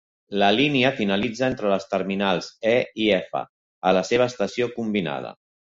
La línia finalitza entre les terminals E i F a la seva estació combinada.